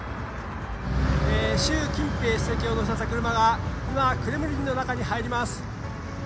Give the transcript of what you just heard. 習近平主席を乗せた車が、今、クレムリンの中に入ります。